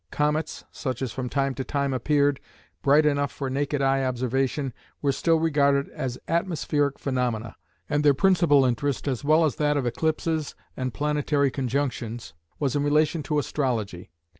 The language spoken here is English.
Comets, such as from time to time appeared, bright enough for naked eye observation, were still regarded as atmospheric phenomena, and their principal interest, as well as that of eclipses and planetary conjunctions, was in relation to astrology.